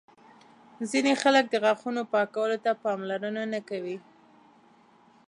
ځینې خلک د غاښونو پاکولو ته پاملرنه نه کوي.